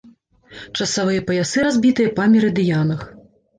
Часавыя паясы разбітыя па мерыдыянах.